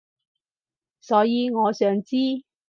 所以我想知